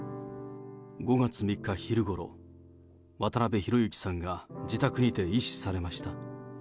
５月３日昼ごろ、渡辺裕之さんが自宅にて縊死されました。